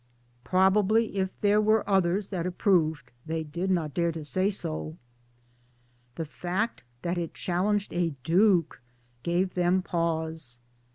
Probably if there were others that approved they did not dare to say so. The fact that it challenged a Duke gave them pause